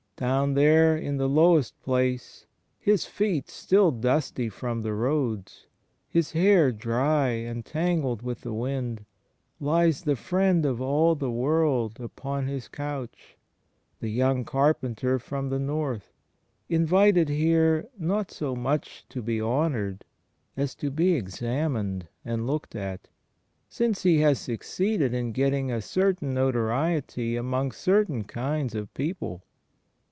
Down there in the lowest place. His feet still dusty from the roads, His hair dry and tangled with the wind, lies the Friend of all the world upon His couch, the yoimg Carpenter from the north, invited here not so much to be honoured as to be examined and looked at, since He has succeeded in getting a certain notoriety among certain kinds of people.